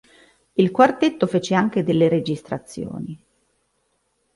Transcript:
Il quartetto fece anche delle registrazioni.